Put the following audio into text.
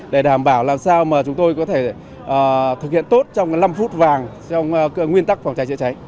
để đảm bảo làm sao mà chúng tôi có thể thực hiện tốt trong năm phút vàng trong nguyên tắc phòng cháy chữa cháy